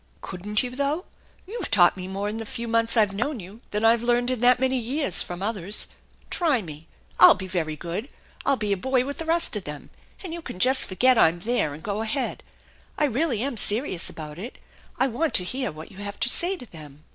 " Couldn't you, though ? You've taught me more in the few months I've known you 'than I've learned in that many years from others. Try me. I'll be very good. I'll be a boy with the rest of them, and you can just forget I'm there and go ahead. I really am serious about it. I want to hear what you have to say to them."